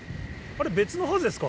別のハゼですか？